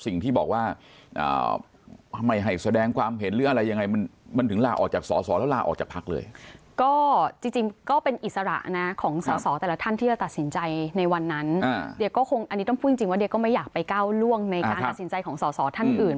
ในการตัดสินใจของส่อท่านอื่น